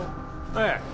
ええ。